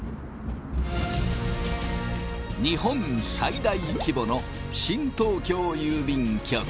日本最大規模の新東京郵便局。